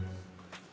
hah gini aja gini aja